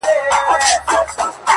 • له سینې څخه یې ویني بهېدلې ,